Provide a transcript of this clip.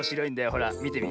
ほらみてみ。